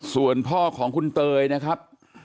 ส่วนพ่อของคุณเตยนะครับ